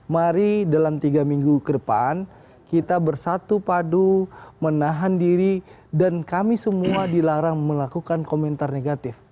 mari dalam tiga minggu ke depan kita bersatu padu menahan diri dan kami semua dilarang melakukan komentar negatif